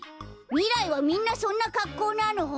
みらいはみんなそんなかっこうなの？